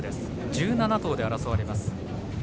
１７頭で争われます。